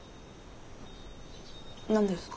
何ですか？